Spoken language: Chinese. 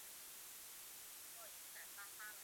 现任校长为源迪恩先生。